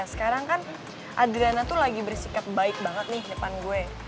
sekarang kan adriana tuh lagi bersikap baik banget nih depan gue